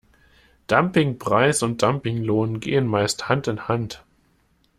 Dumpingpreis und Dumpinglohn gehen meist Hand in Hand.